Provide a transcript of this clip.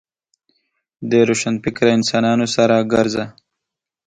د روشنفکره انسانانو سره ګرځه .